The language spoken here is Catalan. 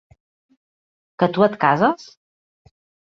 Que tu et cases?